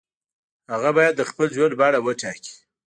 هغه باید د خپل ژوند بڼه وټاکي.